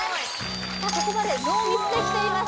ここまでノーミスできています